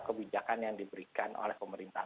kebijakan yang diberikan oleh pemerintah